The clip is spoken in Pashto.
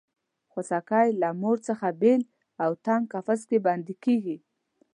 خوسکی له مور څخه بېل او تنګ قفس کې بندي کېږي.